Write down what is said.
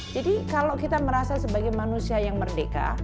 jadi kalau kita merasa sebagai manusia yang merdeka